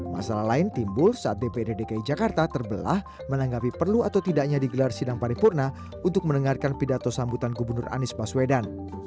masalah lain timbul saat dprd dki jakarta terbelah menanggapi perlu atau tidaknya digelar sidang paripurna untuk mendengarkan pidato sambutan gubernur anies baswedan